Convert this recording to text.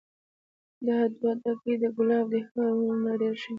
دا دوه ډکي د ګلاب دې هومره ډير شي